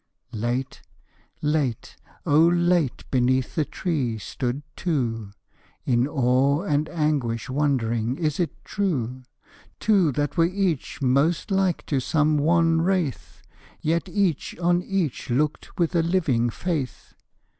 _ Late, late, oh, late beneath the tree stood two! In awe and anguish wondering: "Is it true?" Two that were each most like to some wan wraith: Yet each on each looked with a living faith.